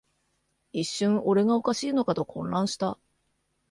一瞬、俺がおかしいのかと混乱した